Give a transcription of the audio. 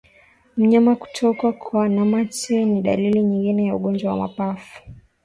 Mnyama kutokwa na mate ni dalili nyingine ya ugonjwa wa mapafu